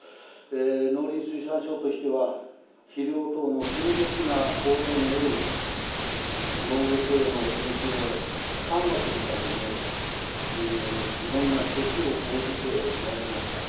農林水産省としては、肥料等の急激な高騰による農業経営の影響を緩和するためにいろんな措置を講じてまいりました。